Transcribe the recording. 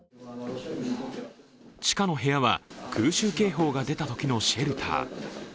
地下の部屋は空襲警報が出たときのシェルター。